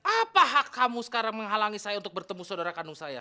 apa hak kamu sekarang menghalangi saya untuk bertemu saudara kandung saya